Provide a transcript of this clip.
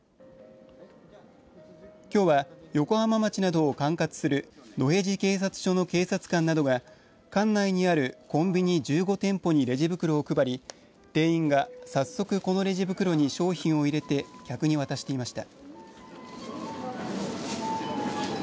きょうは、横浜町などを管轄する野辺地警察署の警察官などが管内にあるコンビニ１５店舗にレジ袋を配り定員は早速このレジ袋に商品を入れて客に渡していました。